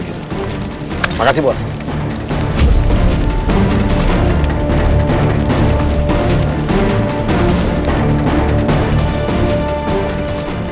karena lo udah bakar pabrik nya